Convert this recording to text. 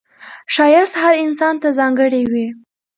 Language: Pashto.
ښایست هر انسان ته ځانګړی وي